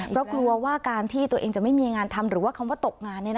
เพราะกลัวว่าการที่ตัวเองจะไม่มีงานทำหรือว่าคำว่าตกงาน